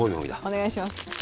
お願いします。